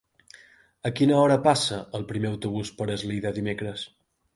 A quina hora passa el primer autobús per Eslida dimecres?